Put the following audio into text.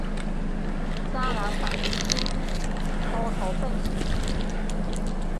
三人共一心，烏塗變成金